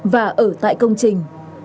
và ở tại công trình